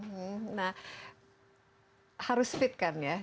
hmm nah harus fit kan ya